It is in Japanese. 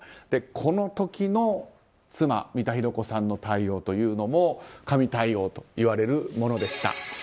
この時の妻・三田寛子さんの対応というのも神対応といわれるものでした。